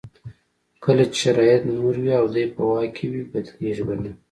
کله چې شرایط نور وي او دی په واک کې وي بدلېږي به نه.